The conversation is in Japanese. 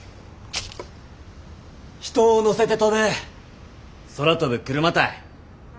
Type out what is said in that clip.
人を乗せて飛ぶ空飛ぶクルマたい。